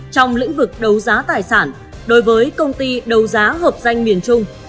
trong lĩnh vực đấu giá tài sản đối với công ty đấu giá hợp danh miền trung